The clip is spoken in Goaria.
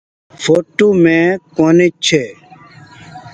ڦوٽو مين ڪونيٚ ڇي۔